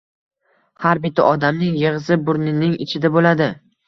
Har bitta odamning yig‘isi burnining uchida bo‘ladi.